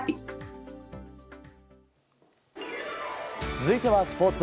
続いてはスポーツ。